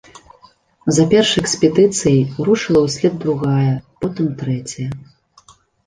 За першай экспедыцыяй рушыла ўслед другая, потым трэцяя.